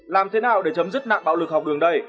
làm thế nào để chấm dứt nạn bạo lực học đường đây